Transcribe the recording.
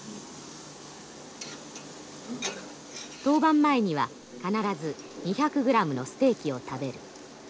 登板前には必ず２００グラムのステーキを食べる。